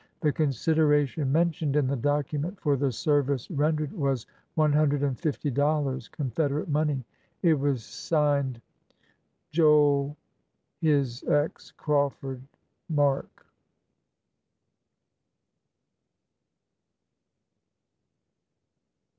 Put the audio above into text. The con sideration mentioned in the document for the service ren dered was one hundred and fifty dollars, Confederate money. It was signed : his Joel X Crawford mark.